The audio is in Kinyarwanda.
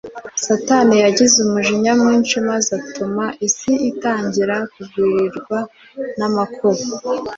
Satani yagize umujinya mwinshi maze atuma isi itangira kugwirirwa n’amakuba